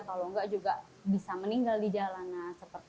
kalau enggak juga bisa meninggal di jalanan seperti itu